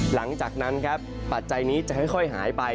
หลังจากนั้นครับปัจจัยนี้จะค่อยหายไป